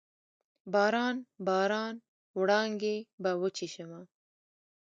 باران، باران وړانګې به وچیښمه